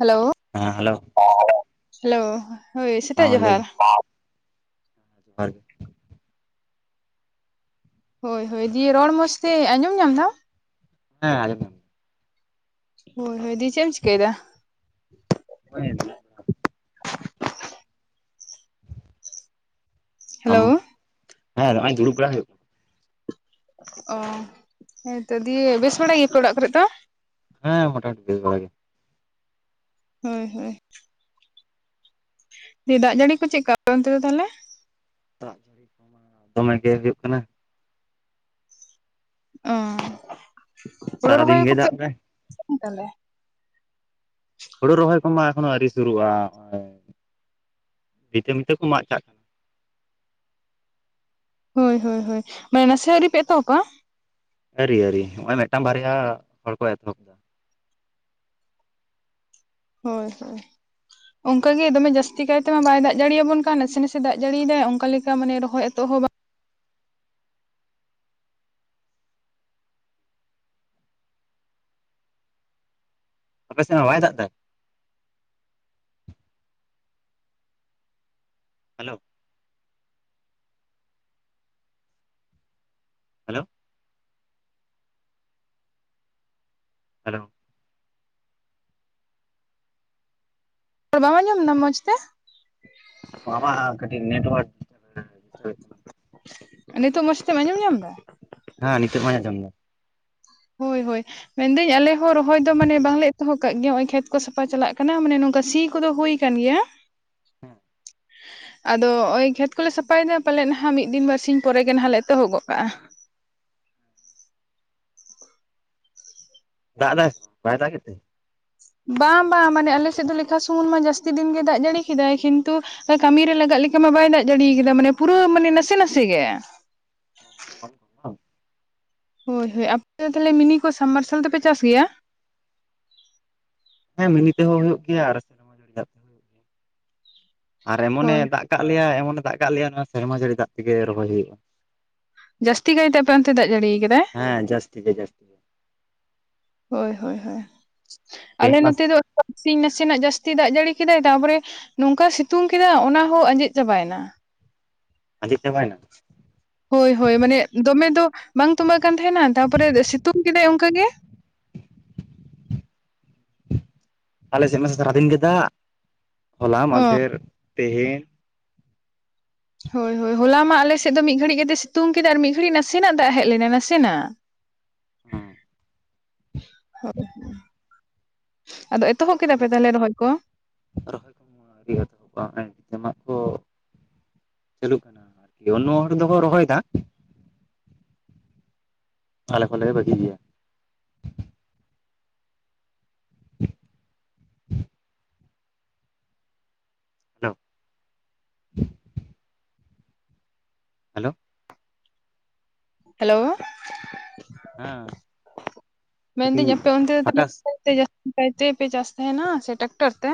Hello ᱦᱮᱸ hello hello ᱦᱳᱭ ᱦᱮᱸ ᱥᱮᱛᱟᱜ ᱞᱟᱹᱭ ᱡᱚᱦᱟᱨ ᱢᱮ ᱡᱚᱦᱟᱨ ᱜᱮ ᱦᱳᱭ ᱦᱳᱭ ᱫᱤᱭᱮ ᱨᱚᱲ ᱢᱚᱡᱽ ᱛᱮ ᱟᱸᱡᱚᱢ ᱧᱟᱢ ᱫᱟᱢ ᱦᱮᱸ ᱟᱸᱡᱟᱢ ᱧᱟᱢ ᱫᱟᱹᱧ ᱦᱳᱭ ᱦᱳᱭ ᱫᱤᱭᱮ ᱪᱮᱫ ᱮᱢ ᱪᱤᱠᱟᱹᱭᱮᱫᱟ ᱦᱚᱸᱜ-ᱚᱭ ᱟᱨ ᱠᱤ ᱟᱢ ᱦᱮᱞᱳ ᱦᱮᱸ ᱱᱚᱜ-ᱚᱭ ᱫᱩᱲᱩᱵ ᱵᱟᱲᱟ ᱦᱩᱭᱩᱜ ᱠᱟᱱᱟ ᱚ ᱦᱮᱸᱛᱚ ᱫᱤᱭᱮ ᱵᱮᱥ ᱵᱟᱲᱟᱭ ᱜᱮᱭᱟᱯᱮ ᱚᱲᱟᱜ ᱠᱚᱨᱮ ᱛᱚ ᱦᱮᱸ ᱢᱚᱴᱟᱢᱩᱴᱤ ᱵᱮᱥ ᱵᱟᱲᱟ ᱜᱮ ᱦᱳᱭ ᱦᱳᱭ ᱫᱤᱭᱮ ᱫᱟᱜ ᱡᱟᱹᱲᱤ ᱠᱚ ᱪᱮᱫᱠᱟ ᱟᱯᱮ ᱚᱱᱛᱮ ᱫᱚ ᱛᱟᱦᱚᱞᱮ ᱫᱟᱜ ᱡᱟᱹᱲᱤ ᱠᱚᱢᱟ ᱫᱚᱢᱮ ᱜᱮ ᱦᱩᱭᱩᱜ ᱠᱟᱱᱟ ᱚᱸ ᱦᱩᱲᱩ ᱥᱟᱨᱟᱫᱤᱱ ᱨᱚᱦᱚᱭ ᱜᱮᱭ ᱠᱚᱯᱮ, ᱫᱟᱜ ᱮᱫᱟᱭ ᱛᱟᱦᱚᱞᱮ ᱦᱳᱲᱩ ᱨᱚᱦᱚᱭ ᱠᱚᱢᱟ ᱮᱠᱷᱚᱱᱳ ᱟᱹᱨᱤ ᱥᱩᱨᱩᱜᱼᱟ ᱱᱚᱜ-ᱚᱭ ᱵᱷᱤᱛᱟᱹ ᱢᱤᱛᱟᱹ ᱠᱚ ᱢᱟᱜ ᱪᱟᱜ ᱠᱟᱱᱟ ᱦᱳᱭ ᱦᱳᱭ ᱦᱳᱭ ᱢᱟᱱᱮ ᱱᱟᱥᱮ ᱦᱚᱸ ᱟᱹᱣᱨᱤ ᱯᱮ ᱮᱛᱚᱦᱚᱵᱟ ᱟᱨᱤ ᱟᱨᱤ ᱱᱚᱜ-ᱚᱭ ᱢᱤᱫᱴᱟᱝ ᱵᱟᱨᱭᱟ ᱦᱚᱲ ᱠᱚ ᱮᱛᱚᱦᱚᱵ ᱫᱟ ᱦᱳᱭ ᱦᱳᱭ [inaudible] ᱚᱱᱠᱟᱜ ᱜᱮ ᱫᱚᱢᱮ ᱡᱟᱹᱥᱛᱤ ᱠᱟᱭᱛᱮᱢᱟ ᱵᱟᱭ ᱫᱟᱜ ᱡᱟᱲᱤᱭᱟ ᱟᱵᱚᱱ ᱠᱟᱱ ᱱᱟᱥᱮ ᱱᱟᱥᱮ ᱫᱟᱜ ᱡᱟᱹᱲᱤᱭᱫᱟᱭ ᱚᱱᱠᱟ ᱞᱮᱠᱟ ᱢᱟᱱᱮ ᱨᱚᱦᱚᱭ ᱮᱛᱚᱦᱚᱵ ᱦᱚᱸ ᱵᱟᱝ ᱟᱯᱮ ᱥᱮᱫ ᱦᱚᱸ ᱵᱟᱭ ᱫᱟᱜ ᱮᱫᱟᱭ ᱦᱮᱞᱳᱣ ᱦᱮᱞᱳᱣ ᱦᱮᱞᱳᱣ ᱟᱨ ᱵᱟᱢ ᱟᱸᱡᱚᱢᱫᱟ ᱢᱚᱡᱽ ᱛᱮ? ᱟᱢᱟᱜ ᱠᱟᱹᱴᱤᱡ ᱱᱮᱴᱣᱟᱨᱠ [inaudible] ᱱᱤᱛᱳᱜ ᱢᱚᱸᱡᱽ ᱛᱮᱢ ᱟᱸᱡᱚᱢ ᱧᱟᱢᱫᱟ? ᱦᱮᱸ ᱱᱤᱛᱚᱜ ᱢᱟᱧ ᱟᱸᱡᱚᱢ ᱮᱫᱟ ᱾ ᱦᱳᱭ ᱦᱳᱭ ᱢᱮᱱᱫᱟᱹᱧ ᱟᱞᱮ ᱦᱚᱸ ᱨᱚᱦᱚᱭ ᱫᱚ ᱢᱟᱱᱮ ᱵᱟᱝᱞᱮ ᱮᱛᱚᱦᱚᱵ ᱠᱟᱫ ᱜᱮᱭᱟ ᱱᱚᱜ ᱚᱭ ᱠᱷᱮᱛ ᱠᱚ ᱥᱟᱯᱷᱟ ᱪᱟᱞᱟᱜ ᱠᱟᱱᱟ ᱢᱟᱱᱮ ᱱᱚᱝᱠᱟ ᱥᱤ ᱠᱚᱫᱚ ᱦᱩᱭ ᱠᱟᱱ ᱜᱮᱭᱟ ᱟᱫᱚ ᱱᱚᱜ-ᱚᱭ ᱠᱷᱮᱛ ᱠᱚᱞᱮ ᱥᱟᱯᱷᱟᱭᱮᱫᱟ ᱯᱟᱞᱮᱫ ᱱᱟᱦᱟᱜ ᱢᱤᱫ ᱫᱤᱱ ᱵᱟᱨᱥᱤ ᱯᱚᱨᱮᱜᱮ ᱱᱟᱦᱟᱜ ᱞᱮ ᱮᱛᱚᱦᱚᱵ ᱜᱚᱜ ᱠᱟᱜᱼᱟ ᱾ ᱫᱟᱜ ᱫᱟᱭ, ᱥᱮ ᱵᱟᱝ, ᱵᱟᱭ ᱫᱟᱜᱮᱜ ᱛᱮ? ᱵᱟᱝ ᱵᱟᱝ ᱢᱟᱱᱮ ᱟᱞᱮᱥᱮᱫ ᱫᱚ ᱞᱮᱠᱷᱟ ᱥᱩᱢᱩᱱ ᱢᱟ ᱡᱟᱹᱥᱛᱤ ᱫᱤᱱ ᱜᱮ ᱫᱟᱜ ᱡᱟᱹᱲᱤ ᱠᱮᱫᱟᱭ ᱠᱤᱱᱛᱩ ᱠᱟᱹᱢᱤ ᱨᱮ ᱞᱟᱜᱟᱜ ᱞᱮᱠᱟ ᱢᱟ ᱵᱟᱭ ᱫᱟᱜ ᱡᱟᱲᱤᱭᱟ ᱠᱟᱫᱟ ᱢᱟᱱᱮ ᱯᱩᱨᱟᱹ ᱢᱟᱱᱮ ᱱᱟᱥᱮ ᱱᱟᱥᱮ ᱜᱮ ᱾ [unintelligible] ᱦᱳᱭ ᱦᱳᱭ ᱟᱯᱮ ᱛᱟᱦᱚᱞᱮ ᱢᱤᱱᱤ ᱠᱚ ᱥᱟᱵ ᱢᱟᱨᱥᱟᱞ ᱫᱚᱯᱮ ᱪᱟᱥ ᱜᱮᱭᱟ? ᱦᱮᱸ ᱢᱤᱱᱤ ᱛᱮᱦᱚᱸ ᱦᱩᱭᱩᱜ ᱜᱮᱭᱟ ᱾ ᱟᱨ ᱮᱢᱚᱱᱮ ᱦᱳᱭ ᱫᱟᱜ ᱠᱟᱜ ᱞᱮᱭᱟ ᱮᱢᱚᱱᱮ ᱫᱟᱜ ᱠᱟᱜ ᱞᱮᱭᱟ ᱱᱚᱣᱟ ᱥᱮᱨᱢᱟ ᱡᱟᱹᱲᱤ ᱫᱟᱜ ᱛᱮᱜᱮ ᱨᱚᱦᱚᱭ ᱦᱩᱭᱩᱜᱼᱟ ᱾ ᱡᱟᱹᱥᱛᱤ ᱠᱟᱭᱛᱮ ᱯᱨᱟᱱᱛᱮ ᱫᱟᱜ ᱡᱟᱹᱲᱤ ᱠᱟᱫᱟᱭ? ᱡᱟᱹᱥᱛᱤ ᱜᱮ ᱡᱟᱹᱥᱛᱤ ᱜᱮ ᱦᱳᱭ ᱦᱳᱭ ᱦᱳᱭ ᱟᱞᱮ ᱛᱮᱦᱮᱧ ᱢᱟ ᱱᱚᱛᱮ ᱫᱚ ᱤᱥ ᱱᱟᱥᱮᱱᱟᱜ ᱡᱟᱹᱥᱛᱤ ᱫᱟᱜ ᱡᱟᱹᱲᱤ ᱠᱮᱫᱟᱭ ᱛᱟᱯᱚᱨᱮ ᱱᱚᱝᱠᱟ ᱥᱤᱛᱩᱝ ᱠᱮᱫᱟ ᱚᱱᱟ ᱦᱚᱸ ᱟᱸᱡᱮᱫ ᱪᱟᱵᱟᱭᱮᱱᱟ ᱾ ᱟᱨ ᱡᱛᱮ ᱵᱟᱭᱱᱟ ᱦᱳᱭ ᱦᱳᱭ ᱢᱟᱱᱮ ᱫᱚᱢᱮ ᱫᱚ ᱵᱟᱝ ᱛᱩᱵᱟᱜ ᱠᱟᱱ ᱛᱟᱦᱮᱱᱟ ᱛᱟᱯᱚᱨᱮ ᱥᱤᱛᱩᱝ ᱠᱮᱫᱟᱭ ᱚᱱᱠᱟᱜ ᱜᱮ ᱾ ᱟᱞᱮ ᱥᱮᱫ ᱢᱟᱥ ᱥᱟᱨᱟ ᱫᱤᱱ ᱜᱮ ᱫᱟᱜ ᱦᱚᱞᱟ ᱚ ᱢᱟᱫᱷᱮᱨ ᱛᱮᱦᱮᱧ ᱦᱳᱭ ᱦᱳᱭ ᱦᱚᱞᱟ ᱢᱟ ᱟᱞᱮᱥᱮᱫ ᱫᱚ ᱢᱤᱫ ᱜᱷᱟᱹᱲᱤᱡ ᱠᱟᱛᱮ ᱥᱤᱛᱩᱝ ᱠᱮᱫᱟ ᱟᱨ ᱢᱤᱫ ᱜᱷᱟᱹᱲᱤᱡ ᱱᱟᱥᱮᱱᱟᱜ ᱫᱟᱜ ᱦᱮᱡ ᱞᱮᱱᱟ ᱱᱟᱥᱮᱱᱟᱜ ᱾ [unintelligible] ᱟᱫᱚ ᱮᱛᱚᱦᱚᱵ ᱠᱮᱫᱟ ᱯᱮ ᱛᱟᱦᱚᱞᱮ ᱨᱚᱦᱚᱭ ᱠᱚ ᱾ [inaudible] ᱪᱟᱹᱞᱩᱜ ᱚᱱᱱᱚ ᱦᱚᱲ ᱫᱚᱠᱚ ᱨᱚᱦᱚᱭᱮᱫᱟ ᱟᱞᱮ ᱠᱷᱚᱱᱞᱮ ᱵᱷᱟᱹᱜᱤ ᱜᱮᱭᱟ ᱾ [unintelligible] ᱦᱮᱞᱳ ᱦᱮᱞᱳ ᱦᱮᱸ ᱠᱟᱹᱴᱤᱡ ᱢᱮᱱᱫᱟᱹᱧ ᱟᱯᱮ ᱚᱱᱛᱮ ᱯᱷᱟᱠᱟᱥ ᱛᱮ ᱯᱛᱮ ᱯᱮ ᱡᱥᱛᱮᱱᱟ ᱥᱮ ᱴᱨᱮᱠᱴᱟᱨ ᱛᱮ?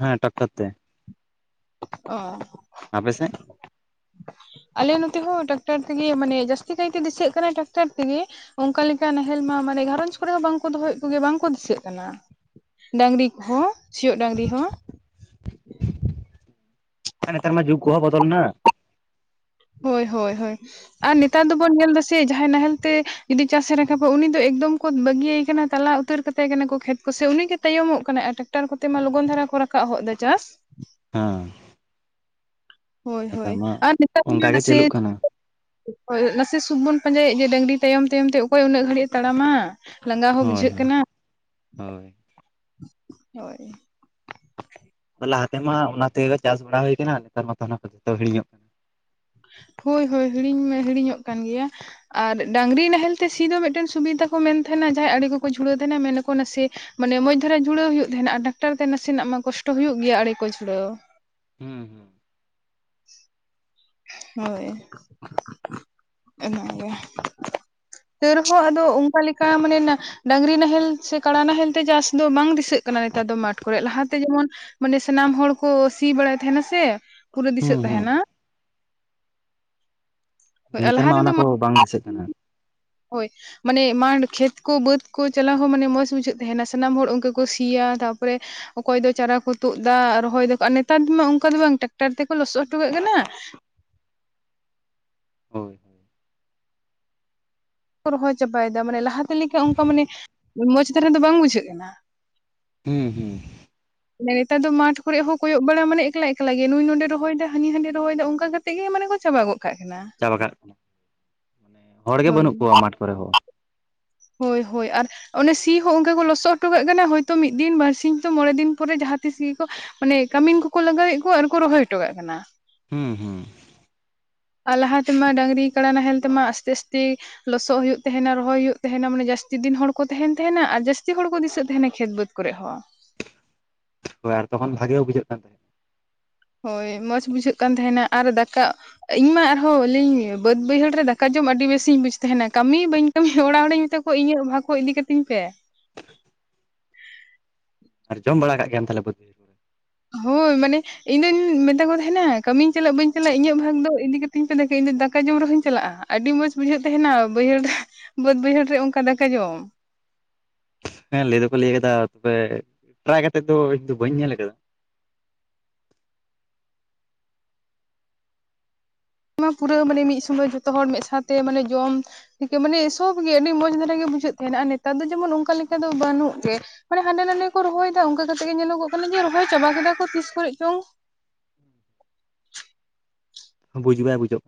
ᱦᱮᱸ ᱴᱟᱠᱴᱚᱨ ᱛᱮ ᱾ ᱚ ᱟᱯᱮ ᱥᱮᱫ? ᱟᱞᱮ ᱱᱚᱛᱮ ᱦᱚᱸ ᱴᱨᱟᱠᱴᱟᱨ ᱛᱮᱜᱮ ᱢᱟᱱᱮ ᱡᱹᱥᱛᱤ ᱠᱟᱭᱛᱮ ᱫᱤᱥᱟᱹᱜ ᱠᱟᱱᱟ ᱴᱨᱟᱠᱴᱟᱨ ᱛᱮᱜᱮ ᱾ ᱚᱱᱠᱟ ᱞᱮᱠᱟ ᱱᱟᱦᱮᱞ ᱢᱟ ᱢᱟᱱᱮ ᱜᱷᱟᱨᱚᱧᱡᱽ ᱠᱚᱨᱮᱦᱚᱸ ᱵᱟᱝᱠᱚ ᱫᱚᱦᱚᱭᱮᱫ ᱠᱚᱜᱮᱭᱟ ᱵᱟᱝᱠᱚ ᱫᱤᱥᱟᱹᱜ ᱠᱟᱱᱟ ᱾ ᱰᱝᱨᱤ ᱠᱚᱦᱚᱸ ᱥᱤᱭᱚᱜ ᱰᱟᱝᱨᱤ ᱦᱚᱸ ᱮᱛᱟᱨ ᱢᱟ ᱡᱩᱜ ᱠᱚᱦᱚ ᱵᱚᱫᱚᱞ ᱱᱟ ᱾ ᱦᱳᱭ ᱦᱳᱭ ᱦᱳᱭ ᱟᱨ ᱱᱮᱛᱟᱨ ᱫᱚᱵᱚᱱ ᱧᱮᱞ ᱫᱟ ᱥᱮ ᱡᱟᱦᱟᱸᱭ ᱱᱟᱦᱮᱞ ᱛᱮ ᱡᱩᱫᱤ ᱪᱟᱥ ᱮ ᱨᱟᱠᱟᱵᱟ ᱩᱱᱤ ᱫᱚ ᱮᱠᱫᱚᱢ ᱠᱚ ᱵᱟᱹᱜᱤᱭ ᱟᱭ ᱠᱟᱱᱟ ᱛᱟᱞᱟ ᱩᱛᱟᱹᱨ ᱠᱟᱛᱟᱭ ᱠᱟᱱᱟ ᱠᱷᱮᱛ ᱥᱮ ᱩᱱᱤᱜ ᱜᱮ ᱛᱟᱭᱚᱢᱚᱜ ᱠᱟᱱᱟ ᱴᱨᱟᱠᱴᱟᱨ ᱠᱚᱛᱮ ᱢᱟ ᱞᱚᱜᱚᱱ ᱫᱷᱟᱨᱟ ᱠᱚ ᱨᱟᱠᱟᱵ ᱦᱚ ᱮᱫᱟ ᱪᱟᱥ ᱾ ᱦᱮᱸ ᱦᱳᱭ ᱱᱮᱛᱟᱨ ᱦᱳᱭ ᱢᱟ ᱟᱨ ᱱᱤᱛᱟᱨ ᱢᱟ ᱚᱱᱠᱟ ᱜᱮ ᱱᱟᱥᱮ ᱪᱟᱹᱞᱩᱜ ᱠᱟᱱᱟ ᱦᱭ ᱱᱟᱥᱮ ᱥᱩᱠ ᱵᱚᱱ ᱯᱟᱸᱡᱟᱭᱮᱫ ᱡᱮ ᱰᱟᱝᱨᱤ ᱛᱟᱭᱚᱢ ᱛᱟᱭᱚᱢᱛᱮ ᱚᱠᱚᱭ ᱩᱱᱟᱹᱜ ᱜᱷᱟᱹᱲᱤᱡ ᱮ ᱛᱟᱲᱟᱢᱟ? ᱞᱟᱸᱜᱟ ᱦᱚᱸ ᱦᱳᱭ ᱵᱩᱡᱷᱟᱹᱜ ᱦᱳᱭ ᱠᱟᱱᱟ ᱦᱳᱭ᱾ ᱦᱳᱭ ᱞᱟᱦᱟᱛᱮᱢᱟ ᱚᱱᱟ ᱛᱮ ᱪᱟᱥ ᱵᱟᱲᱟ ᱦᱩᱭ ᱟᱠᱟᱱᱟ ᱱᱮᱛᱟᱨ ᱢᱟᱛᱚ ᱚᱱᱟ ᱠᱚ ᱡᱚᱛᱚ ᱦᱤᱲᱤᱧᱚᱜ ᱠᱟᱱᱟ ᱾ ᱦᱳᱭ ᱦᱳᱭ ᱦᱤᱲᱤᱧ ᱢᱮ ᱦᱤᱲᱤᱧᱚᱜ ᱠᱟᱱ ᱜᱮᱭᱟ ᱾ ᱟᱨ ᱰᱟᱝᱨᱤ ᱱᱟᱦᱮᱞ ᱛᱮ ᱥᱤ ᱫᱚ ᱢᱤᱫᱴᱮᱱ ᱥᱩᱵᱤᱫᱟ ᱠᱚ ᱢᱮᱱ ᱛᱟᱦᱮᱱᱟ ᱡᱟᱦᱟᱸᱭ ᱟᱲᱮ ᱠᱚᱠᱚ ᱡᱷᱩᱲᱟᱹᱣ ᱛᱟᱦᱮᱱᱟ ᱢᱮᱱᱟᱠᱚ ᱱᱟᱥᱮ ᱢᱟᱱᱮ ᱢᱚᱸᱡᱽ ᱫᱷᱟᱨᱮ ᱡᱩᱲᱟᱹ ᱦᱩᱭᱩᱜᱜ ᱛᱟᱦᱮᱸᱱᱟ ᱰᱟᱠᱛᱟᱨ ᱛᱮ ᱱᱟᱥᱮᱱᱟᱜ ᱢᱟ ᱠᱚᱥᱴ ᱦᱩᱭᱩᱜᱳ ᱜᱮᱭᱟ ᱟᱨᱮ ᱠᱚ ᱡᱩᱲᱟᱹᱣ ᱾ ᱦᱩᱸ ᱦᱩᱸ [inaudible] ᱦᱳᱭ ᱤᱱᱟᱹᱜᱮ ᱰᱟᱹᱨᱦᱚᱸ ᱟᱫᱚ ᱚᱱᱠᱟ ᱞᱮᱠᱟ ᱢᱟᱱᱮ ᱰᱟᱝᱨᱤ ᱱᱟᱦᱮᱞ ᱥᱮ ᱠᱟᱲᱟ ᱱᱟᱦᱮᱞ ᱛᱮ ᱪᱟᱥ ᱫᱚ ᱵᱟᱝ ᱫᱤᱥᱟᱹᱜ ᱠᱟᱱᱟ ᱱᱮᱛᱟᱨ ᱫᱚ ᱢᱟᱴᱷ ᱠᱚᱨᱮᱜ ᱞᱟᱦᱟᱛᱮ ᱡᱮᱢᱚᱱ ᱢᱟᱱᱮ ᱥᱟᱱᱟᱢ ᱦᱚᱲ ᱠᱚ ᱥᱤ ᱵᱟᱲᱟᱭ ᱛᱟᱦᱮᱱᱟ ᱥᱮ ᱯᱩᱨᱟᱹ ᱦᱩᱸ ᱫᱤᱥᱟᱹᱜ ᱦᱩᱸ ᱛᱟᱦᱮᱸᱱᱟ ᱱᱮᱛᱟᱨ ᱞᱟᱦᱟ ᱢᱟ ᱛᱮᱫᱚ ᱚᱱᱟ ᱠᱚ ᱵᱟᱝ ᱫᱤᱥᱟᱹᱜ ᱠᱟᱱᱟ ᱦᱳᱭ ᱢᱟᱱᱮ ᱢᱟᱴᱷ ᱠᱷᱮᱛ ᱠᱚ ᱵᱟᱹᱫᱽ ᱠᱚ ᱪᱟᱞᱟᱣ ᱦᱚᱸ ᱢᱟᱱᱮ ᱢᱚᱸᱡᱽ ᱵᱩᱡᱷᱟᱹᱜ ᱛᱟᱦᱮᱱᱟ ᱥᱟᱱᱟᱢ ᱦᱚᱲ ᱚᱱᱠᱟ ᱠᱚ ᱥᱤᱭᱟ ᱛᱟᱯᱚᱨᱮ ᱚᱠᱚᱭ ᱫᱚ ᱪᱟᱨᱟ ᱠᱚ ᱛᱩᱫ ᱫᱟ ᱨᱚᱦᱚᱭ ᱫᱟᱠᱚ ᱟᱨ ᱱᱮᱛᱟᱨ ᱫᱚ ᱢᱟ ᱚᱱᱠᱟ ᱫᱚ ᱵᱟᱝ ᱴᱨᱟᱠᱴᱟᱨ ᱛᱮᱠᱚ ᱞᱚᱥᱚᱫ ᱦᱚᱴᱚ ᱠᱟᱜ ᱠᱟᱱᱟ ᱦᱳᱭ ᱦᱳᱭ ᱨᱚᱦᱚᱭ ᱪᱟᱵᱟᱭ ᱫᱟ ᱢᱟᱱᱮ ᱞᱟᱦᱟᱛᱮ ᱞᱮᱠᱟ ᱚᱱᱠᱟ ᱢᱟᱱᱮ ᱢᱚᱸᱡᱽ ᱛᱟᱨᱟ ᱫᱚ ᱵᱟᱝ ᱵᱩᱡᱷᱟᱹᱜ ᱠᱟᱱᱟ᱾ ᱦᱩᱸ ᱦᱩᱸ ᱱᱮᱛᱟᱨ ᱫᱚ ᱢᱟᱴᱷ ᱠᱚᱨᱮ ᱦᱚᱸ ᱠᱚᱭᱚᱜ ᱵᱟᱲᱟ ᱢᱟᱱᱮ ᱮᱠᱞᱟ ᱮᱠᱞᱟ ᱜᱮ ᱱᱩᱭ ᱱᱚᱰᱮ ᱨᱚᱦᱚᱭᱮᱫᱟ ᱦᱟᱹᱱᱤ ᱦᱟᱸᱰᱮ ᱨᱚᱦᱚᱭ ᱫᱟ ᱚᱱᱠᱟ ᱠᱟᱛᱮ ᱜᱮ ᱢᱟᱱᱮ ᱠᱚ ᱪᱟᱵᱟ ᱜᱚᱫ ᱠᱟᱜ ᱠᱟᱱᱟ᱾ ᱪᱟᱵᱟ ᱠᱟᱜ ᱠᱟᱱᱟ ᱢᱟᱱᱮ ᱦᱚᱲᱜ ᱜᱮ ᱦᱳᱭ ᱵᱟᱹᱱᱩᱜ ᱠᱚᱣᱟ ᱢᱟᱴᱷ ᱠᱚᱨᱮ ᱦᱚᱸ᱾ ᱦᱳᱭ ᱦᱳᱭ ᱟᱨ ᱚᱱᱮ ᱥᱤ ᱦᱚᱸ ᱚᱱᱠᱟ ᱠᱚ ᱞᱚᱥᱚᱫ ᱦᱚᱴᱚ ᱠᱟᱜ ᱠᱟᱱᱟ ᱦᱚᱭᱛᱳ ᱢᱤᱫ ᱫᱤᱱ ᱵᱟᱨ ᱥᱤᱧ ᱛᱚ ᱢᱚᱬᱮ ᱫᱤᱱ ᱯᱚᱨᱮ ᱡᱟᱦᱟᱸ ᱛᱤᱥ ᱜᱮᱠᱚ ᱢᱟᱱᱮ ᱠᱟᱹᱢᱤᱱ ᱠᱚᱠᱚ ᱞᱟᱜᱟᱣᱮᱫ ᱠᱚᱣᱟ ᱟᱨᱠᱚ ᱨᱚᱦᱚᱭ ᱦᱚᱴᱚ ᱠᱟᱜ ᱠᱟᱱᱟ᱾ ᱦᱩᱸ ᱦᱩᱸ ᱟᱨ ᱞᱟᱦᱟ ᱛᱮᱢᱟ ᱰᱟᱝᱨᱤ ᱠᱟᱲᱟ ᱱᱟᱦᱮᱞ ᱛᱮ ᱟᱥᱛᱮ ᱟᱥᱛᱮ ᱞᱚᱥᱚᱜ ᱦᱩᱭᱩᱜ ᱛᱟᱦᱮᱸᱱᱟ ᱨᱚᱦᱚᱭ ᱦᱩᱭᱩᱜ ᱛᱟᱦᱮᱸᱱᱟ ᱢᱟᱱᱮ ᱡᱟᱹᱥᱛᱤ ᱫᱤᱱ ᱦᱚᱲ ᱠᱚ ᱛᱟᱦᱮᱸᱱ ᱛᱟᱦᱮᱸᱱᱟ ᱟᱨ ᱡᱟᱹᱥᱛᱤ ᱦᱚᱲ ᱠᱚ ᱫᱤᱥᱟᱹᱜ ᱛᱟᱦᱮᱱᱟ ᱠᱷᱮᱛ ᱵᱟᱹᱫᱽ ᱠᱚᱨᱮᱜ ᱦᱚᱸ᱾ ᱦᱳᱭ ᱟᱨ ᱛᱚᱠᱷ ᱵᱷᱟᱜᱮ ᱦᱚᱸ ᱵᱩᱡᱷᱟᱹᱜ ᱠᱟᱱ ᱛᱟᱦᱮᱸᱫ᱾ ᱦᱳᱭ ᱢᱚᱸᱡᱽ ᱵᱩᱡᱷᱟᱹᱜ ᱠᱟᱱ ᱛᱟᱦᱮᱸᱱᱟ, ᱟᱨ ᱫᱟᱠᱟᱜ ᱤᱧ ᱢᱟ ᱟᱨᱦᱚᱸ ᱟᱹᱞᱤᱧ ᱵᱟᱹᱫᱽ ᱵᱟᱹᱭᱦᱟᱹᱲ ᱨᱮ ᱫᱟᱠᱟ ᱡᱚᱢ ᱟᱹᱰᱤ ᱵᱮᱥ ᱤᱧ ᱵᱩᱡᱽ ᱛᱟᱦᱮᱸᱱᱟ ᱠᱟᱹᱢᱤ ᱵᱟᱹᱧ ᱠᱟᱹ [unintelligible] ᱚᱲᱟᱜ ᱦᱚᱲ ᱤᱧ ᱢᱮᱛᱟ ᱠᱚᱣᱟ ᱤᱧᱟᱹᱜ ᱵᱷᱟᱜᱽ ᱦᱚᱸ ᱤᱫᱤ ᱠᱟᱹᱛᱤᱧ ᱯᱮ᱾ ᱟᱨ ᱡᱚᱢ ᱵᱟᱲᱟ ᱠᱟᱜ ᱜᱮᱭᱟᱢ ᱛᱟᱦᱞᱮ ᱵᱟᱹᱫ ᱦᱳᱭ ᱢᱟᱱᱮ, ᱤᱧ ᱫᱚᱧ ᱢᱮᱛᱟ ᱠᱚ ᱛᱟᱦᱮᱸᱱᱟ ᱠᱟᱹᱢᱤᱧ ᱪᱟᱞᱟᱜ ᱵᱟᱹᱧ ᱪᱟᱞᱟᱜ ᱤᱧᱟᱹᱜ ᱵᱷᱟᱜᱽ ᱫᱚ ᱤᱫᱤ ᱠᱟᱛᱤᱧ ᱯᱮ ᱤᱧ ᱫᱚ ᱫᱟᱠᱟ ᱡᱚᱢ ᱨᱮᱦᱚᱧ ᱪᱟᱞᱟᱜᱼᱟ ᱦᱟᱸᱜ᱾ ᱟᱹᱰᱤ ᱢᱚᱸᱡᱽ ᱵᱩᱡᱷᱟᱹᱜ ᱛᱟᱦᱮᱸᱱᱟ ᱵᱟᱹᱭᱦᱟᱹᱲ ᱵᱟᱹᱫ ᱵᱟᱹᱭᱦᱟᱹᱲ ᱨᱮ ᱚᱱᱠᱟ ᱫᱟᱠᱟ ᱡᱚᱢ᱾ ᱦᱮᱸ ᱞᱟᱹᱭ ᱫᱚᱠᱚ ᱞᱟᱹᱭ ᱠᱟᱫᱟ ᱛᱚᱵᱮ ᱴᱨᱟᱭ ᱠᱟᱛᱮᱜ ᱫᱚ ᱤᱧ ᱫᱚ ᱵᱟᱹᱧ ᱧᱮᱞ ᱠᱟᱫᱟ᱾ ᱯᱩᱨᱟᱹ ᱢᱟᱱᱮ ᱢᱤᱫ ᱥᱚᱢᱚᱭ ᱡᱚᱛᱚ ᱦᱚᱲ ᱢᱟᱶᱛᱮ ᱢᱟᱱᱮ ᱡᱚᱢ, ᱛᱷᱮᱠᱮ [unintelligible] ᱢᱟᱱᱮ ᱥᱚᱵ ᱜᱮ ᱟᱹᱰᱤ ᱢᱚᱸᱡᱽ ᱫᱷᱟᱨᱟᱜ ᱜᱮ ᱵᱩᱡᱷᱟᱹᱜ ᱛᱟᱦᱮᱸᱱᱟ ᱟᱨ ᱱᱮᱛᱟᱨ ᱫᱚ ᱡᱮᱢᱚᱱ ᱚᱱᱠᱟ ᱞᱮᱠᱟ ᱫᱚ ᱵᱟᱹᱱᱩᱜ ᱜᱮ, ᱢᱟᱱᱮ ᱦᱟᱸᱰᱮ ᱱᱟᱰᱮ ᱠᱚ ᱨᱚᱦᱚᱭ ᱫᱟ ᱚᱱᱠᱟ ᱠᱟᱛᱮᱜ ᱜᱮ ᱧᱮᱞᱚᱜᱚᱜ ᱠᱟᱱᱟ ᱡᱮ ᱨᱚᱦᱚᱭ ᱪᱟᱵᱟ ᱠᱮᱫᱟ ᱠᱚ ᱛᱤᱥ ᱠᱚᱨᱮᱜ ᱪᱚᱝ᱾ ᱵᱩᱡᱽ ᱵᱟᱭ ᱵᱩᱡᱚᱜ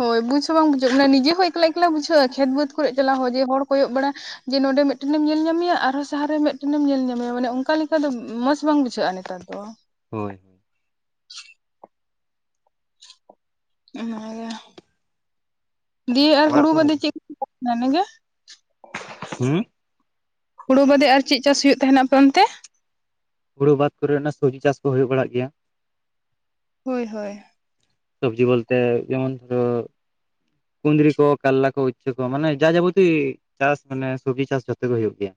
ᱦᱳᱭ ᱵᱩᱡ ᱦᱚᱸ ᱵᱟᱝ ᱵᱩᱡᱷᱟᱹᱜ ᱠᱟᱱᱟ ᱱᱤᱡᱮ ᱦᱳᱭ ᱮᱠᱞᱟ ᱮᱠᱞᱟ ᱵᱩᱡᱷᱟᱹᱜᱼᱟ ᱠᱷᱮᱛ ᱵᱟᱹᱫᱽ ᱠᱚᱨᱮᱜ ᱪᱟᱞᱟᱣ ᱦᱚᱸ ᱡᱮ ᱦᱚᱲ ᱠᱚᱭᱚᱜ ᱵᱟᱲᱟ ᱡᱮ ᱱᱚᱰᱮ ᱢᱮᱫᱴᱮᱱᱮᱢ ᱧᱮᱞ ᱧᱟᱢᱮᱭᱟ ᱟᱨᱦᱚᱸ ᱥᱟᱦᱟᱨ ᱨᱮ ᱢᱮᱫᱴᱮᱱᱮᱢ ᱧᱮᱞ ᱧᱟᱢᱮᱭᱟ, ᱢᱟᱱᱮ ᱚᱱᱠᱟ ᱞᱮᱠᱟ ᱫᱚ ᱢᱚᱸᱡᱽ ᱵᱟᱝ ᱵᱩᱡᱷᱟᱹᱜᱼᱟ᱾ [unintelligible] ᱦᱳᱭ ᱦᱳᱭ [unintelligible] ᱫᱤᱭᱮ ᱟᱨ ᱚᱲᱟᱜ ᱦᱩᱲᱩ ᱠᱚᱨᱮ ᱵᱟᱫᱮ ᱜᱮ ᱪᱮᱫ [unintelligible] ᱦᱩᱸ ᱦᱳᱲᱩ ᱵᱟᱫᱮ ᱟᱨ ᱪᱮᱫ ᱪᱟᱥ ᱦᱩᱭᱩᱜ ᱛᱟᱦᱮᱸᱱᱟ ᱟᱯᱮ ᱚᱱᱛᱮ? ᱦᱩᱲᱩ ᱵᱟᱫ ᱠᱚᱨᱮ ᱚᱱᱟ ᱥᱚᱵᱡᱤ ᱪᱟᱥ ᱠᱚ ᱦᱳᱭᱳᱜ ᱵᱟᱲᱟᱜ ᱜᱮᱭᱟ᱾ ᱦᱳᱭ ᱦᱳᱭ ᱥᱚᱵᱽᱡᱤ ᱵᱚᱞᱛᱮ ᱡᱮᱢᱚᱱ ᱫᱷᱚᱨᱚ, ᱠᱩᱸᱫᱽᱨᱤ ᱠᱚ ᱠᱟᱞᱞᱟ ᱠᱚ ᱩᱪᱪᱷᱟᱹ ᱠᱚ ᱢᱟᱱᱮ ᱡᱟ ᱡᱟᱵᱚᱛᱤ ᱪᱟᱥ ᱢᱟᱱᱮ ᱥᱚᱵᱡᱤ ᱪᱟᱥ ᱡᱚᱛᱚ ᱜᱮ ᱦᱳᱭᱳᱜ ᱜᱮᱭᱟ᱾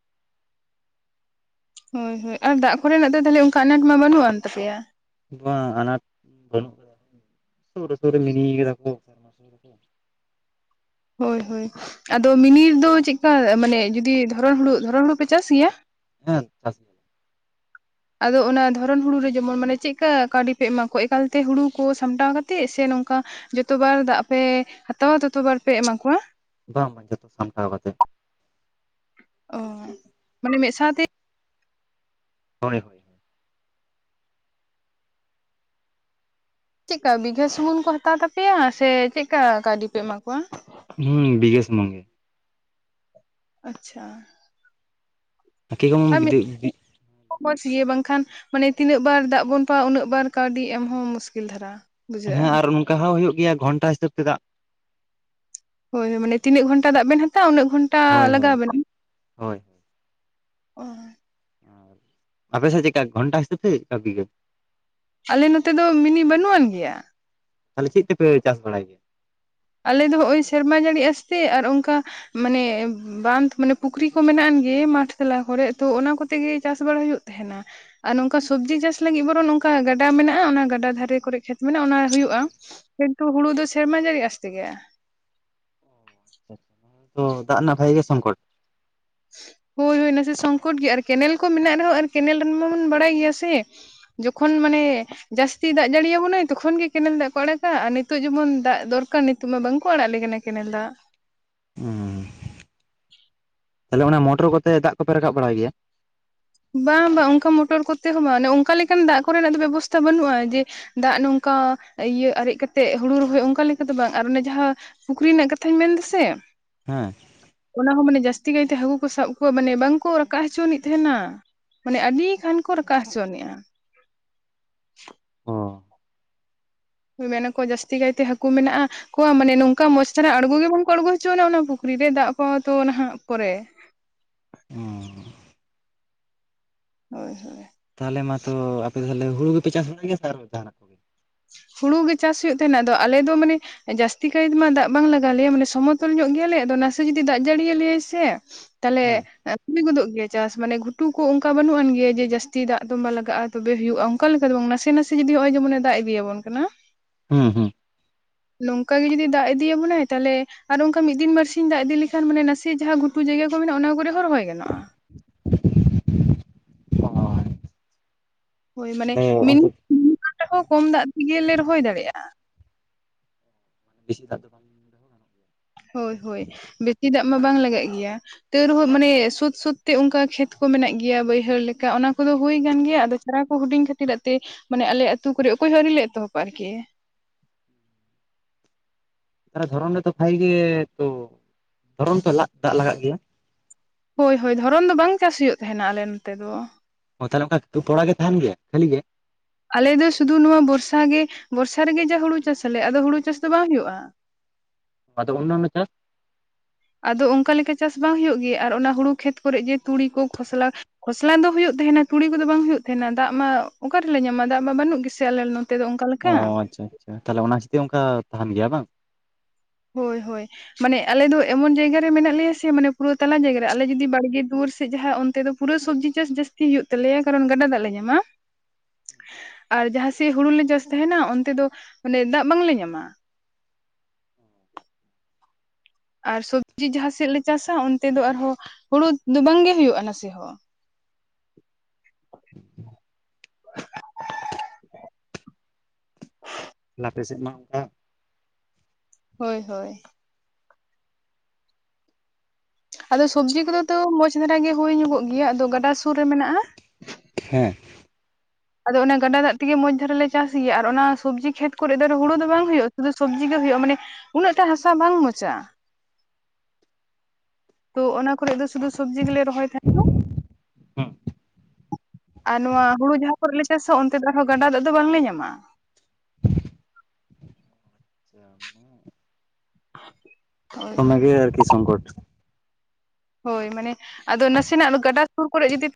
ᱦᱳᱭ ᱦᱳᱭ ᱟᱨ ᱫᱟᱜ ᱠᱚᱨᱮᱱᱟᱜ ᱫᱚ ᱛᱟᱦᱚᱞᱮ ᱚᱱᱠᱟ ᱟᱱᱟᱴ ᱢᱟ ᱵᱟᱹᱱᱩᱜ ᱟᱱ ᱛᱟᱯᱮᱭᱟ᱾ ᱵᱟᱝ ᱟᱱᱟᱴ ᱵᱟᱹᱱᱩᱜ ᱥᱩᱨ ᱨᱮ ᱥᱩᱨ ᱨᱮ ᱢᱤᱱᱤᱭ ᱠᱟᱫᱟ ᱠᱚ᱾ [inaudible] ᱦᱚᱭ ᱦᱚᱭ ᱟᱫᱚ ᱢᱤᱱᱤᱫ ᱨᱮᱫᱚ ᱪᱮᱫᱠᱟ ᱢᱟᱱᱮ ᱡᱩᱫᱤ ᱫᱷᱚᱨᱚ ᱦᱩᱲᱩ ᱫᱷᱚᱨᱚ ᱦᱩᱲᱩ ᱯᱮ ᱪᱟᱥ ᱜᱮᱭᱟ? ᱦᱮᱸ ᱪᱟᱥ᱾ ᱜᱮᱭᱟᱞᱮ ᱟᱫᱚ ᱚᱱᱟ ᱫᱷᱚᱨᱚᱢ ᱦᱩᱲᱩ ᱨᱮ ᱡᱮᱢᱚᱱ ᱢᱟᱱᱮ ᱪᱮᱫᱠᱟ ᱠᱟᱹᱣᱰᱤ ᱯᱮ ᱮᱢᱟ ᱠᱚᱣᱟ ᱮᱠᱟᱞᱛᱮ ᱦᱩᱲᱩ ᱠᱚ ᱥᱟᱢᱴᱟᱣ ᱠᱟᱛᱮᱜ ᱥᱮ ᱱᱚᱝᱠᱟ ᱡᱚᱛᱚ ᱵᱟᱨ ᱫᱟᱜ ᱯᱮ ᱦᱟᱛᱟᱣᱟ ᱛᱚᱛᱚ ᱵᱟᱨ ᱯᱮ ᱮᱢᱟᱠᱚᱣᱟ? ᱵᱟᱝ ᱵᱟᱝ ᱡᱚᱛᱚ ᱥᱟᱢᱴᱟᱣ ᱠᱟᱛᱮ᱾ ᱚᱦᱚ ᱢᱟᱱᱮ ᱢᱤᱫ ᱥᱟᱶᱛᱮ᱾ ᱦᱚᱭ ᱪᱮᱫᱠᱟ ᱵᱤᱜᱷᱟᱹ ᱥᱩᱢᱩᱝ ᱠᱚ ᱦᱟᱛᱟᱣ ᱛᱟᱯᱮᱭᱟ ᱥᱮ ᱪᱮᱫᱠᱟ ᱠᱟᱹᱣᱰᱤ ᱯᱮ ᱮᱢᱟ ᱠᱚᱣᱟ? ᱦᱩᱸ ᱵᱤᱜᱮᱥ ᱥᱩᱢᱩᱝ ᱜᱮ᱾ ᱟᱪᱪᱷᱟ ᱟᱨ ᱢᱤᱫ [unintelligible] ᱢᱚᱡᱽ ᱜᱮ ᱵᱟᱝᱠᱷᱟᱱ ᱢᱟᱱᱮ ᱛᱤᱱᱟᱹᱜ ᱵᱟᱨ ᱫᱟᱜ ᱵᱚᱱ ᱦᱟᱛᱟᱣᱟ ᱩᱱᱟᱹᱜ ᱵᱟᱨ ᱠᱟᱣᱰᱤ ᱮᱢᱦᱚᱸ ᱢᱩᱥᱠᱤᱞ ᱫᱷᱟᱨᱟ ᱦᱟ ᱦᱮᱸ ᱟᱨ ᱚᱱᱠᱟ ᱦᱚᱸ ᱦᱩᱭᱩᱜ ᱜᱮᱭᱟ ᱜᱷᱚᱱᱴᱟ ᱦᱤᱥᱟᱹᱵ ᱛᱮ ᱮᱫᱟᱜ ᱦᱚᱭ ᱦᱚᱭ ᱢᱟᱱᱮ ᱛᱤᱱᱟᱹᱜ ᱜᱷᱚᱱᱟ ᱫᱟᱜ ᱵᱮᱱ ᱦᱟᱛᱟᱣᱟ ᱩᱱᱟᱹᱜ ᱜᱷᱚᱱ ᱦᱚᱭ ᱦᱚᱭ ᱦᱚᱭ ᱦᱮᱜᱼᱮᱸ ᱟᱯᱮ ᱥᱮᱪ ᱪᱮᱠᱟ ᱜᱚᱱᱴᱟ ᱦᱤᱥᱟᱹᱵ ᱛᱮ ᱠᱟᱵᱤᱜᱟᱹ ᱟᱞᱮ ᱱᱚᱛᱮ ᱫᱚ ᱢᱤᱱᱤ ᱵᱟᱹᱱᱩᱜ ᱟᱱ ᱜᱮᱭᱟ ᱛᱟᱞᱮ ᱪᱮᱫ ᱛᱮᱯᱮ ᱪᱟᱥ ᱵᱟᱲᱟᱭ ᱟᱞᱮ ᱫᱚ ᱦᱚᱜᱼᱚᱭ ᱥᱮᱨᱢᱟ ᱡᱟᱹᱲᱤ ᱟᱥᱛᱮ ᱟᱨ ᱚᱱᱠᱟ ᱢᱟᱱᱮ ᱵᱟᱸᱫᱷ ᱢᱟᱱᱮ ᱯᱩᱠᱷᱨᱤ ᱠᱚ ᱢᱮᱱᱟᱜ ᱟᱱᱜᱮ ᱢᱟᱴᱷ ᱛᱟᱞᱟ ᱠᱚᱨᱮ ᱛᱚ ᱚᱱᱟ ᱠᱚᱛᱮᱜᱮ ᱪᱟᱥ ᱵᱟᱲᱟ ᱦᱩᱭᱩᱜ ᱛᱟᱦᱮᱱᱟ ᱟᱨ ᱱᱚᱝᱠᱟ ᱥᱚᱵᱽᱡᱤ ᱪᱟᱥ ᱞᱟᱹᱜᱤᱫ ᱵᱚᱨᱚᱱ ᱱᱚᱝᱠᱟ ᱜᱟᱰᱟ ᱢᱮᱱᱟᱜᱼᱟ ᱚᱱᱟ ᱜᱟᱰᱟ ᱫᱷᱟᱨᱮ ᱠᱚᱨᱮ ᱠᱷᱮᱛ ᱢᱮᱱᱟᱜᱼᱟ ᱚᱱᱟ ᱦᱩᱭᱩᱜᱼᱟ ᱠᱤᱱᱴᱩ ᱦᱩᱲᱩ ᱫᱚ ᱥᱮᱨᱢᱟ ᱡᱟᱹᱲᱤ ᱟᱥ ᱛᱮᱜᱮᱼᱟ ᱦᱚᱸ ᱫᱟᱜ ᱨᱮᱱᱟᱜ ᱵᱷᱟᱜᱮ ᱜᱮ ᱥᱚᱝᱠᱚᱴ ᱦᱚᱭ ᱦᱚᱭ ᱱᱟᱥᱮ ᱥᱚᱝᱠᱚᱴ ᱜᱮ ᱟᱨ ᱠᱮᱱᱮᱞ ᱠᱚ ᱢᱮᱱᱟᱜ ᱨᱮᱦᱚᱸ ᱟᱨ ᱠᱮᱱᱮᱞ ᱨᱮᱱ ᱢᱟᱵᱚᱱ ᱵᱟᱲᱟᱭ ᱜᱮᱭᱟ ᱥᱮ ᱡᱚᱠᱷᱚᱱ ᱢᱟᱱᱮ ᱡᱟᱹᱥᱛᱤ ᱫᱟᱜ ᱡᱟᱹᱲᱤ ᱭᱟᱵᱚᱱᱟᱭ ᱛᱚᱠᱷᱚᱱ ᱜᱮ ᱠᱮᱱᱟᱞ ᱫᱟᱜ ᱠᱚ ᱟᱲᱟᱜᱟ ᱟᱨ ᱱᱤᱛᱚᱜ ᱡᱮᱢᱚᱱ ᱫᱟᱜ ᱫᱚᱨᱠᱟᱨ ᱱᱤᱛᱚᱜ ᱢᱟ ᱵᱟᱝᱠᱚ ᱟᱲᱟᱜ ᱞᱮ ᱠᱟᱱᱟ ᱠᱮᱱᱟᱞ ᱫᱟᱜ ᱛᱟᱦᱞᱮ ᱚᱱᱟ ᱢᱚᱴᱚᱨ ᱠᱚᱛᱮ ᱫᱟᱜ ᱠᱚᱯᱮ ᱨᱟᱠᱟᱵ ᱵᱟᱲᱟᱭ ᱜᱮᱭᱟ ᱵᱟᱝ ᱵᱟᱝ ᱚᱝᱠᱟ ᱢᱚᱴᱚᱨ ᱠᱚᱛᱮ ᱦᱚᱸ ᱵᱟᱝ ᱚᱱᱮ ᱚᱫᱠᱟ ᱞᱮᱠᱟᱱ ᱫᱟᱜ ᱠᱚᱨᱮᱱᱟᱜ ᱫᱚ ᱵᱮᱵᱚᱥᱛᱷᱟ ᱵᱟᱹᱱᱩᱜᱼᱟ ᱡᱮ ᱫᱟᱜ ᱱᱚᱝᱠᱟ ᱤᱭᱟᱹ ᱟᱨᱮᱡ ᱠᱟᱛᱮᱜ ᱦᱩᱲᱩ ᱨᱚᱦᱚᱭ ᱚᱱᱠᱟ ᱞᱮᱠᱟ ᱫᱚ ᱵᱟᱝ ᱟᱨ ᱚᱱᱮ ᱡᱟᱦᱟᱸ ᱯᱩᱠᱷᱨᱤ ᱨᱮᱱᱟᱜ ᱠᱟᱛᱷᱟᱹᱧ ᱢᱮᱱ ᱮᱫᱟ ᱥᱮ ᱦᱮᱸ ᱚᱱᱟ ᱦᱚᱸ ᱢᱟᱱᱮ ᱡᱟᱹᱥᱛᱤ ᱠᱟᱭᱛᱮ ᱦᱟᱹᱠᱩ ᱠᱚ ᱥᱟᱵ ᱠᱚᱣᱟ ᱢᱟᱱᱮ ᱵᱟᱝᱠᱚ ᱨᱟᱠᱟᱵ ᱦᱚᱪᱚ ᱟᱹᱱᱤᱡ ᱛᱟᱦᱮᱱᱟ ᱢᱟᱱᱮ ᱟᱹᱰᱤ ᱜᱟᱱ ᱠᱚ ᱨᱟᱠᱟᱵ ᱦᱚᱪᱚᱱᱮᱜᱼᱟ ᱚ ᱢᱮᱱᱟᱠᱚ ᱡᱟᱹᱥᱛᱤ ᱠᱟᱭᱛᱮ ᱦᱟᱹᱠᱩ ᱢᱮᱱᱟᱜᱼᱟ ᱟᱠᱚᱣᱟᱜ ᱢᱟᱱᱮ ᱱᱚᱝᱠᱟ ᱢᱚᱸᱪᱷ ᱫᱷᱟᱨᱟ ᱟᱬᱜᱚ ᱜᱮ ᱵᱟᱝ ᱠᱚ ᱟᱬᱜᱚ ᱦᱚᱪᱚᱣᱟᱱᱟ ᱚᱱᱟ ᱯᱩᱠᱷᱨᱤ ᱨᱮ ᱫᱟᱜ ᱠᱚᱦᱚᱸ ᱛᱚ ᱱᱟᱦᱟᱜ ᱯᱚᱨᱮ ᱚ ᱦᱳᱭ ᱦᱳᱭ ᱛᱟᱦᱞᱮ ᱢᱟᱛᱚ ᱟᱯᱮ ᱛᱟᱦᱞᱮ ᱦᱩᱲᱩ ᱜᱮᱯᱮ ᱪᱟᱥ ᱵᱟᱲᱟᱭ ᱜᱮᱭᱟ ᱥᱮ ᱟᱨ ᱚᱠᱟ ᱦᱩᱲᱩ ᱜᱮ ᱪᱟᱥ ᱦᱩᱭᱩᱜ ᱛᱟᱦᱮᱱᱟ ᱟᱫᱚ ᱟᱞᱮᱫᱚ ᱢᱟᱱᱮ ᱡᱟᱹᱥᱛᱤ ᱠᱟᱭᱛᱮ ᱢᱟ ᱫᱟᱜ ᱵᱟᱝ ᱞᱟᱜᱟ ᱞᱮᱭᱟ ᱢᱟᱱᱮ ᱥᱚᱢᱚᱛᱚᱞ ᱧᱚᱜ ᱜᱮᱭᱟᱞᱮ ᱟᱫᱚ ᱱᱟᱥᱮ ᱡᱩᱫᱤ ᱫᱟᱜ ᱡᱟᱹᱲᱤ ᱟᱞᱮᱭᱟᱭ ᱥᱮ ᱛᱟᱦᱞᱮ ᱦᱮᱸ ᱦᱩᱭ ᱜᱚᱫᱚᱜ ᱜᱮᱭᱟ ᱪᱟᱥ ᱢᱟᱱᱮ ᱜᱷᱩᱴᱩ ᱠᱚ ᱚᱝᱠᱟ ᱵᱟᱹᱱᱩᱜ ᱟᱱ ᱜᱮᱭᱟ ᱡᱮ ᱡᱟᱹᱥᱛᱤ ᱫᱟᱜ ᱫᱚᱢᱵᱟ ᱞᱟᱜᱟᱜᱼᱟ ᱛᱚᱵᱮ ᱦᱩᱭᱩᱜᱼᱟ ᱚᱠᱟ ᱞᱮᱠᱟ ᱫᱚ ᱵᱟᱝᱟ ᱱᱟᱥᱮ ᱱᱟᱥᱮ ᱡᱩᱫᱤ ᱱᱚᱼᱚᱭ ᱡᱮᱢᱚᱱᱮ ᱫᱟᱜ ᱤᱫᱤᱭᱟᱵᱚᱱ ᱠᱟᱱᱟ ᱦᱩᱸ ᱦᱩᱸ ᱦᱩᱸ ᱱᱚᱝᱠᱟ ᱜᱮ ᱡᱩᱫᱤ ᱫᱟᱜ ᱤᱫᱤᱭᱟᱵᱚᱱᱟᱭ ᱛᱟᱦᱞᱮ ᱟᱨ ᱚᱝᱠᱟ ᱢᱤᱫ ᱫᱤᱱ ᱵᱟᱹᱨᱥᱤᱧ ᱫᱟᱜ ᱤᱫᱤ ᱞᱮᱠᱷᱟᱱ ᱢᱟᱱᱮ ᱱᱟᱥᱮ ᱡᱟᱦᱟᱸ ᱜᱷᱩᱴ ᱛᱩᱡ ᱡᱟᱭᱜᱟ ᱠᱚ ᱢᱮᱱᱟᱜᱼᱟ ᱚᱱᱟ ᱠᱚᱨᱮ ᱦᱚᱸ ᱨᱚᱦᱚᱭ ᱜᱟᱱᱚᱜᱼᱟ ᱦᱳᱭ ᱦᱚᱭ ᱢᱟᱱᱮ ᱛᱟᱦᱚᱞᱮ ᱢᱤᱱᱤ ᱚᱱᱛᱮ ᱵᱟᱝ ᱨᱮᱦᱚᱸ ᱠᱚᱢ ᱫᱟᱜ ᱛᱮᱜᱮᱞᱮ ᱨᱚᱦᱚᱭ ᱫᱟᱲᱮᱭᱟᱜᱼᱟ ᱵᱮᱥᱤ ᱫᱟᱜ ᱫᱚ ᱵᱟᱝ ᱨᱮᱦᱚᱸ ᱜᱟᱱᱚᱜ ᱜᱮᱭᱟ᱾ ᱦᱳᱭ ᱦᱳᱭ ᱵᱮᱥᱤ ᱫᱟᱜ ᱢᱟ ᱵᱟᱝ ᱞᱟᱜᱟᱜ ᱜᱮᱭᱟ ᱛᱟᱣ ᱨᱮᱦᱚᱸ ᱢᱟᱱᱮ ᱥᱩᱫ ᱥᱩᱫᱛᱮ ᱚᱱᱠᱟ ᱠᱷᱮᱛ ᱠᱚ ᱢᱮᱱᱟᱜ ᱜᱮᱭᱟ ᱵᱟᱹᱭᱦᱟᱹᱲ ᱞᱮᱠᱟ ᱚᱱᱟ ᱠᱚᱫᱚ ᱦᱩᱭ ᱠᱟᱱ ᱜᱮᱭᱟ ᱟᱫᱚ ᱫᱟᱨᱟ ᱠᱚ ᱦᱩᱰᱤᱧ ᱠᱷᱟᱹᱛᱤᱨᱟᱜ ᱛᱮ ᱢᱟᱱᱮ ᱟᱞᱮ ᱟᱹᱛᱩ ᱠᱚᱨᱮ ᱚᱠᱚᱭ ᱦᱚᱸ ᱟᱹᱣᱨᱤ ᱞᱮ ᱮᱛᱚᱦᱚᱵᱟ ᱟᱨ ᱠᱤ ᱛᱟᱞᱦᱮ ᱫᱷᱚᱨᱟᱱ ᱨᱮᱛᱚ ᱵᱷᱟᱜᱤ ᱜᱮ ᱛᱚ ᱫᱷᱚᱨᱚᱢ ᱫᱟᱜ ᱫᱟᱜ ᱞᱟᱜᱟᱜ ᱜᱮᱭᱟ ᱦᱳᱭ ᱦᱳᱭ ᱫᱷᱚᱨᱚᱱ ᱫᱚ ᱵᱟᱝ ᱪᱟᱥ ᱦᱩᱭᱩᱜ ᱛᱟᱦᱮᱱᱟ ᱟᱞᱮ ᱚᱛᱮ ᱫᱚ ᱚ ᱛᱟᱦᱚᱞᱮ ᱚᱱᱠᱟ ᱠᱚ ᱯᱚᱲᱟ ᱜᱮ ᱛᱟᱦᱮᱱ ᱜᱮᱭᱟ ᱠᱷᱟᱹᱞᱤ ᱜᱮ ᱟᱞᱮ ᱫᱚ ᱥᱩᱫᱷᱩ ᱱᱚᱣᱟ ᱵᱚᱨᱥᱟ ᱜᱮ ᱵᱚᱨᱥᱟ ᱨᱮᱜᱮ ᱡᱟ ᱦᱩᱲᱩ ᱪᱟᱥ ᱟᱞᱮ ᱟᱫᱚ ᱦᱩᱲᱩ ᱪᱟᱥ ᱫᱚ ᱵᱟᱝ ᱦᱩᱭᱩᱜᱼᱟ ᱟᱫᱚ ᱚᱱᱚ ᱩᱱᱟ ᱪᱟᱥ ᱟᱫᱚ ᱚᱱᱠᱟ ᱞᱮᱠᱟ ᱪᱟᱥ ᱵᱟᱝ ᱦᱳᱭᱳᱜ ᱜᱮ ᱟᱨ ᱚᱱᱟ ᱦᱩᱲᱩ ᱠᱷᱮᱛ ᱠᱚᱨᱮᱜ ᱡᱮ ᱛᱩᱲᱤ ᱠᱚ ᱠᱷᱚᱥᱞᱟ ᱠᱷᱚᱥᱞᱟ ᱫᱚ ᱦᱩᱭᱩᱜ ᱛᱟᱦᱮᱱᱟ ᱛᱩᱲᱤ ᱠᱚᱫᱚ ᱵᱟᱝ ᱦᱩᱭᱩᱜ ᱛᱟᱦᱮᱱᱟ ᱫᱟᱜ ᱢᱟ ᱚᱠᱟ ᱨᱮᱞᱮ ᱧᱟᱢᱟ? ᱫᱟᱜ ᱢᱟ ᱵᱟᱹᱱᱩᱜ ᱜᱮ ᱥᱮ ᱟᱞᱮ ᱱᱚᱛᱮ ᱫᱚ ᱚᱱᱠᱟ ᱚᱻ ᱞᱮᱠᱟ ᱟᱪᱪᱷᱟ ᱟᱪᱪᱷᱟ ᱛᱟᱞᱦᱮ ᱚᱱᱟ [unintelligible] ᱚᱱᱠᱟ ᱛᱟᱦᱮᱱ ᱜᱮᱭᱟ ᱵᱟᱝ? ᱦᱳᱭ ᱦᱳᱭ ᱢᱟᱱᱮ ᱟᱞᱮ ᱫᱚ ᱮᱢᱚᱱ ᱡᱟᱭᱜᱟ ᱨᱮ ᱢᱮᱱᱟᱜ ᱞᱮᱭᱟ ᱥᱮ ᱢᱟᱱᱮ ᱯᱩᱨᱟᱹ ᱛᱟᱞᱟ ᱡᱟᱭᱜᱟ ᱨᱮ ᱟᱞᱮ ᱡᱩᱫᱤ ᱵᱟᱲᱜᱮ ᱫᱩᱣᱟᱹᱨ ᱥᱮᱫ ᱡᱟᱦᱟᱸ ᱚᱱᱛᱮ ᱫᱚ ᱯᱩᱨᱟᱹ ᱥᱚᱵᱽᱡᱤ ᱪᱟᱥ ᱡᱟᱥᱛᱤ ᱦᱩᱭᱩᱜᱳ ᱛᱟᱞᱮᱭᱟ ᱠᱟᱨᱚᱱ ᱜᱟᱰᱟ ᱫᱟᱜ ᱞᱮ ᱧᱟᱢᱟ [inaudible] ᱟᱨ ᱡᱟᱦᱟᱸᱥᱮᱜ ᱦᱩᱲᱩ ᱞᱮ ᱪᱟᱥ ᱛᱟᱦᱮᱱᱟ ᱚᱱᱛᱮ ᱫᱚ ᱢᱟᱱᱮ ᱫᱟᱜ ᱵᱟᱝᱞᱮ ᱧᱟᱢᱟ ᱟᱨ ᱥᱚᱵᱽᱡᱤ ᱡᱟᱦᱟᱸ ᱥᱮᱫ ᱞᱮ ᱪᱟᱥᱟ ᱚᱱᱛᱮ ᱫᱚ ᱟᱨᱦᱚᱸ ᱦᱩᱲᱩ ᱫᱚ ᱵᱟᱝᱜᱮ ᱦᱳᱭᱳᱜᱼᱟ ᱱᱟᱥᱮ ᱦᱚᱸ ᱟᱯᱮ ᱥᱮᱫ ᱢᱟ ᱚᱱᱠᱟ ᱦᱳᱭ ᱦᱳᱭ ᱟᱫᱚ ᱥᱚᱵᱡᱤ ᱠᱚᱫᱚ ᱢᱚᱸᱡᱽ ᱫᱷᱟᱨᱟ ᱜᱮ ᱦᱩᱭ ᱧᱚᱜᱚᱜ ᱜᱮᱭᱟ ᱟᱫᱚ ᱜᱟᱰᱟ ᱥᱩᱨ ᱨᱮ ᱢᱮᱱᱟᱜᱼᱟ ᱦᱮᱸ ᱟᱫᱚ ᱚᱱᱟ ᱜᱟᱰᱟ ᱫᱟᱜ ᱛᱮᱜᱮ ᱢᱚᱸᱡᱽ ᱫᱷᱟᱨᱮ ᱞᱮ ᱪᱟᱥ ᱜᱮᱭᱟ ᱟᱨ ᱚᱱᱟ ᱥᱚᱵᱡᱤ ᱠᱷᱮᱛ ᱠᱚᱨᱮ ᱫᱚ ᱦᱩᱲᱩ ᱫᱚ ᱵᱟᱝ ᱦᱩᱭᱩᱜᱼᱟ, ᱥᱩᱫᱩ ᱥᱚᱵᱡᱤ ᱜᱮ ᱦᱩᱭᱩᱜᱼᱟ ᱢᱟᱱᱮ ᱩᱱᱟᱹᱜ ᱴᱟ ᱦᱟᱥᱟ ᱵᱟᱝ ᱢᱚᱡᱟ ᱛᱚ ᱚᱱᱟ ᱠᱚᱨᱮ ᱫᱚ ᱥᱩᱫᱷᱩ ᱥᱚᱵᱡᱤ ᱜᱮᱞᱮ ᱨᱚᱦᱚᱭ ᱛᱟᱦᱮᱸ ᱫᱚ ᱦᱩᱸ ᱟᱻ ᱱᱚᱣᱟ ᱦᱩᱲᱩ ᱡᱟᱦᱟᱸ ᱠᱚᱨᱮᱞᱮ ᱪᱟᱥᱟ ᱚᱱᱛᱮ ᱫᱚ ᱟᱨᱦᱚᱸ ᱜᱟᱰᱟ ᱫᱟᱜ ᱫᱚ ᱵᱟᱝᱞᱮ ᱧᱟᱢᱟ [unintelligible] ᱦᱳᱭ ᱚᱱᱟ ᱦᱳᱭ ᱜᱮ ᱟᱨᱠᱤ ᱥᱚᱝᱠᱚᱴ ᱦᱳᱭ ᱢᱟᱱᱮ ᱟᱫᱚ ᱱᱟᱥᱮᱱᱟᱜ ᱜᱟᱰᱟ ᱥᱩᱨ ᱠᱚᱨᱮ ᱡᱩᱫᱤ